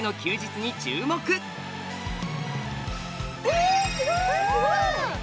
えすごい！